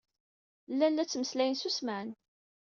Llan la ttmeslayen s ussemɛen.